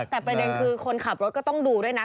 แต่ประเด็นคือคนขับรถก็ต้องดูด้วยนะ